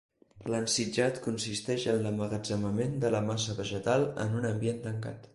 L'ensitjat consisteix en l'emmagatzemament de la massa vegetal en un ambient tancat.